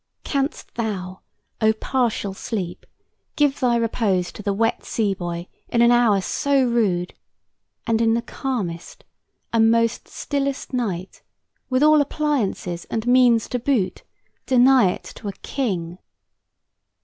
Canst thou, O partial Sleep, give thy repose To the wet sea boy in an hour so rude, And in the calmest and most stillest night, With all appliances and means to boot, Deny it to a king?